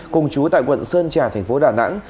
cùng chú tại quận sơn trà tp đà nẵng